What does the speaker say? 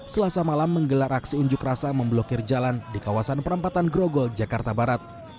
selasa malam menggelar aksi unjuk rasa memblokir jalan di kawasan perampatan grogol jakarta barat